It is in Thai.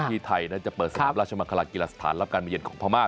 ที่ไทยจะเปิดขายราชมังคลากีฬาสถานและการเมียนของพม่า